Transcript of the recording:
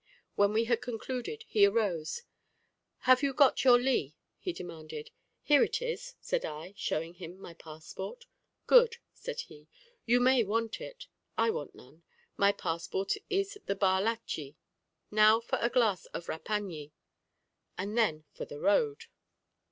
When we had concluded he arose. "Have you got your li?" he demanded. "Here it is," said I, showing him my passport. "Good," said he; "you may want it, I want none: my passport is the bar lachí. Now for a glass of repañi, and then for the road."